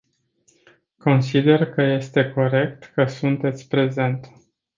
Consider că este corect că sunteți prezent.